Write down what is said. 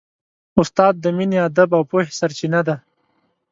استاد د مینې، ادب او پوهې سرچینه ده.